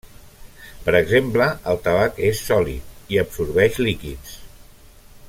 Per exemple el tabac és sòlid i absorbeix líquids.